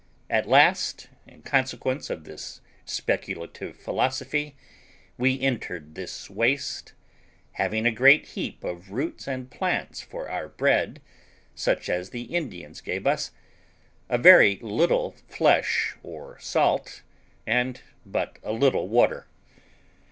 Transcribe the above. At last, in consequence of this speculative philosophy, we entered this waste, having a great heap of roots and plants for our bread, such as the Indians gave us, a very little flesh or salt, and but a little water.